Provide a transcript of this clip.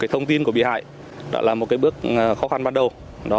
cái thông tin của bị hại đó là một cái bước khó khăn ban đầu